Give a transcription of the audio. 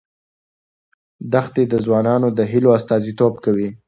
دښتې د ځوانانو د هیلو استازیتوب کوي.